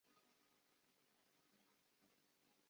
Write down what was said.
稀花勿忘草为紫草科勿忘草属的植物。